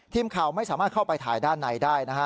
ทีมข่าวไม่สามารถเข้าไปถ่ายด้านในได้นะฮะ